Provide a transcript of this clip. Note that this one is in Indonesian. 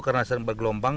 karena sering bergelombang